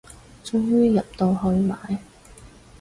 終於入到去買